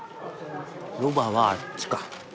ロバはあっちか。